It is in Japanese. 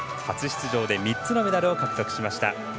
初出場で３つのメダルを獲得しました。